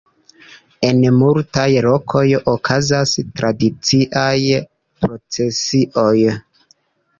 En multaj lokoj okazas tradiciaj procesioj.